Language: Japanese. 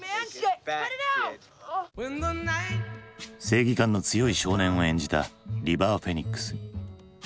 正義感の強い少年を演じたリバー・フェニックス。